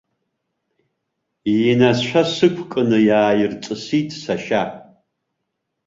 Инацәа сықәкны иааирҵысит сашьа.